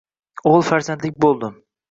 O`g`il farzandlik bo`ldim